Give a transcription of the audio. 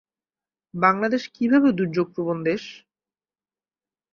বাংলাদেশ কিভাবে দুর্যোগপ্রবণ দেশ?